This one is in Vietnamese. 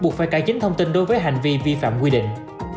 buộc phải cài chính thông tin đối với hành vi vi phạm quy định